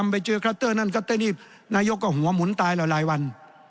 ไปเจอคัตเตอร์นั่นก็ได้รีบนายกก็หัวหมุนตายแล้วหลายวัน